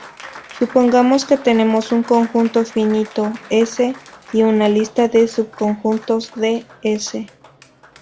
Supongamos que tenemos un conjunto finito "S" y una lista de subconjuntos de "S".